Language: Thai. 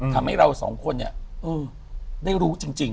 ทำให้เราสองคนเนี่ยได้รู้จริง